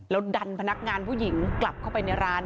แล้วดันพนักงานผู้หญิงกลับเข้าไปในร้าน